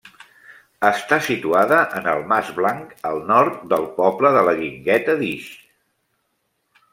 Està situada en el Mas Blanc, al nord del poble de la Guingueta d'Ix.